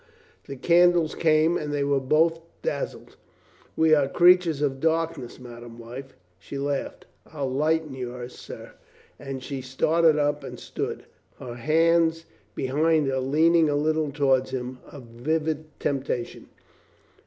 the can dles came and they were both dazzled. "We are creatures of darkness, madame wife." She laughed. "I'll lighten yours, sir," and she started up and stood, her hands behind her, lean ing a little towards him, a vivid temptation.